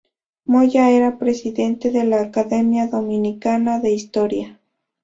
Moya era Presidente de la Academia Dominicana de Historia.